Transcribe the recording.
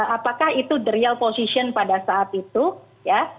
apakah itu the real position pada saat itu ya